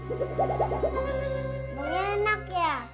emang enak ya